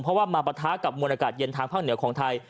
เพราะว่ามาปะทะกับมวลอากาศเย็นทางภาคเหนือของไทย